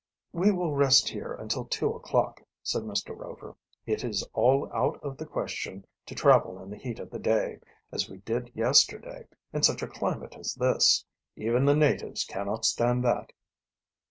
"We will rest here until two o'clock," said Mr. Rover. "It is all out of the question to travel in the heat of the day, as we did yesterday, in such a climate as this. Even the natives cannot stand that."